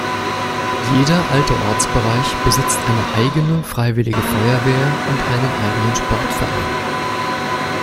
Jeder alte Ortsbereich besitzt eine eigene Freiwillige Feuerwehr und einen eigenen Sportverein.